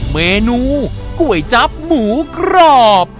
เมนูก๋วยจับหมูกรอบ